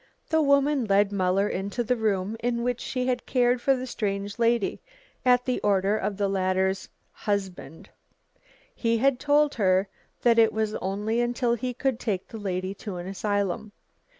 The woman led Muller into the room in which she had cared for the strange lady at the order of the latter's "husband." He had told her that it was only until he could take the lady to an asylum.